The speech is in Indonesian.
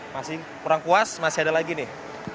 masih kurang puas masih ada lagi nih